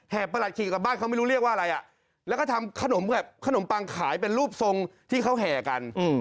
ประหลัดขี่กลับบ้านเขาไม่รู้เรียกว่าอะไรอ่ะแล้วก็ทำขนมปังขายเป็นรูปทรงที่เขาแห่กัน